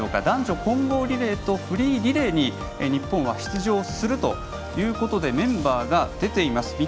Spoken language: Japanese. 男女混合リレーとフリーリレーに日本は出場するということでメンバーが出ています。